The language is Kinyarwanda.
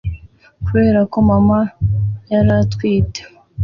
kubera ko mama yari atwite